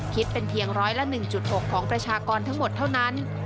คิดเป็นเพียงร้อยละ๑๖ของประชากรทั้งหมดเท่านั้น